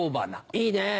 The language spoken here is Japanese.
いいねぇ。